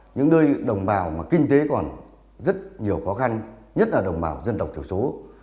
những nơi đồng bào mà kinh tế còn rất nhiều khó khăn nhất là đồng bào dân tộc thiểu số